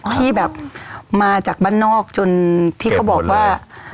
ที่แบบมาจากบ้านนอกจนที่เขาบอกว่า